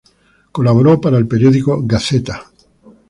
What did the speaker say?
Colaboró para el periódico "Gazeta".